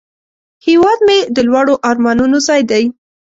هیواد مې د لوړو آرمانونو ځای دی